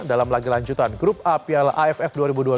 dalam laga lanjutan grup a piala aff dua ribu dua puluh